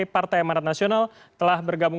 partai amarat nasional telah bergabung